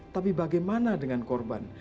tapi bagaimana dengan korban